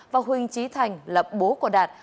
và huỳnh trí thành là bố của đạt